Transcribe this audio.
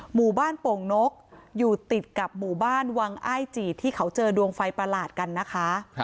หมู่บ้านโป่งนกอยู่ติดกับหมู่บ้านวังอ้ายจีดที่เขาเจอดวงไฟประหลาดกันนะคะ